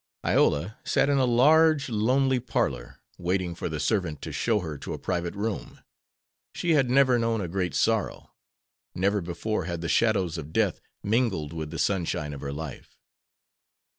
Iola sat in a large, lonely parlor, waiting for the servant to show her to a private room. She had never known a great sorrow. Never before had the shadows of death mingled with the sunshine of her life.